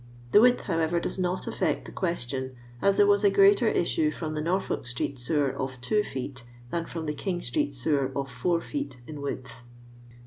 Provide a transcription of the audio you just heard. The width, however, does not affect the question, as there was a greater issue from die Norfolk street sewer of two foot, than from the Kiog^treet sewer of four feet in width.